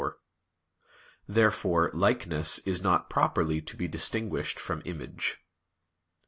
Therefore "likeness" is not properly to be distinguished from "image."